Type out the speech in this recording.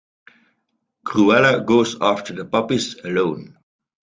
Cruella goes after the puppies alone.